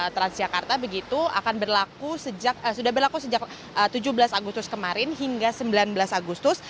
pembelajaran penumpang transjakarta begitu akan berlaku sejak tujuh belas agustus kemarin hingga sembilan belas agustus